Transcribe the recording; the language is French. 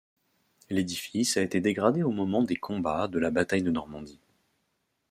L'édifice a été dégradé au moment des combats de la Bataille de Normandie.